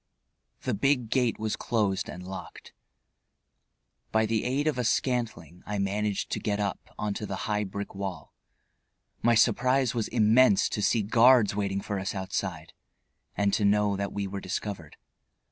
The big gate was closed and locked. By the aid of a scantling I managed to get up onto the high brick wall. My surprise was immense to see guards waiting for us outside, and to know that we were discovered.